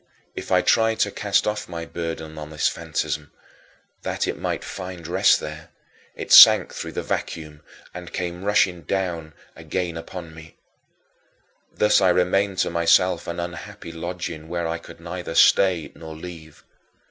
If I tried to cast off my burden on this fantasm, that it might find rest there, it sank through the vacuum and came rushing down again upon me. Thus I remained to myself an unhappy lodging where I could neither stay nor leave.